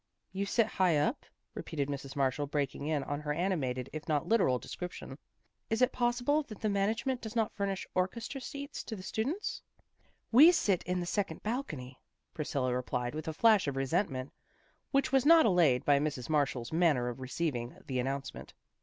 " You sit high up? " repeated Mrs. Marshall, breaking in on her animated if not literal description. "Is it possible that the manage ment does not furnish orchestra seats to the students? "" We sit hi the second balcony," Priscilla replied, with a flash of resentment which was not allayed by Mrs. Marshall's manner of receiving the announcement.